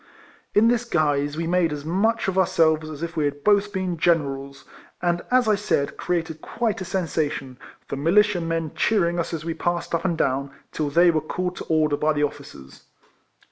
In this guise we made as much of our selves as if we had both been Generals, and, as I said, created quite a sensation, the militia men cheering us as we passed up and down, till they were called to order by the officers.